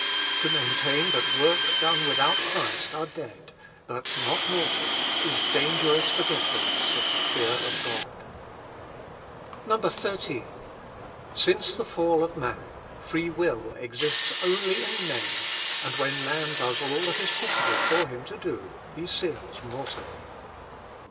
"To maintain that works done without Christ are dead, but not mortal, is dangerous forgetfulness of the fear of God. 13. "Since the fall of man, free will exists only in name, and when man does all that is possible for him to do, he sins mortally.